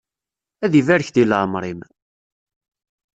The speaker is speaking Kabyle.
Ad ibarek di leεmeṛ-im!